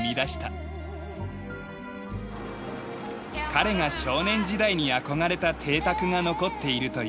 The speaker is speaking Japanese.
彼が少年時代に憧れた邸宅が残っているという。